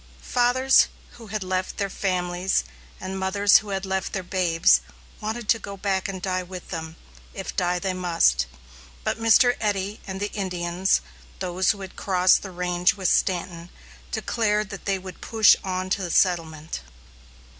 Fathers who had left their families, and mothers who had left their babes, wanted to go back and die with them, if die they must; but Mr. Eddy and the Indians those who had crossed the range with Stanton declared that they would push on to the settlement.